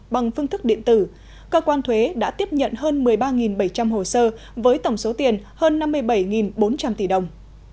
bằng phương thức điện tử cơ quan thuế đã tiếp nhận hơn một mươi ba bảy trăm linh hồ sơ với tổng số tiền hơn năm mươi bảy bốn trăm linh tỷ đồng